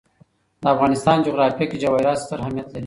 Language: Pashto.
د افغانستان جغرافیه کې جواهرات ستر اهمیت لري.